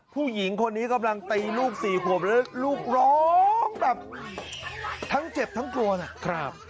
ผู้หญิงคนนี้กำลังตีลูกสี่ขวบแล้วลูกร้องแบบทั้งเจ็บทั้งกลัวนะครับ